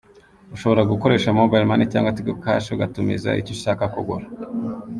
Ushobora gukoresha Mobile Money cyangwa Tigo Cash ugatumiza icyo ushaka kugura.